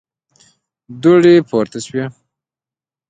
دوړې پورته شوې.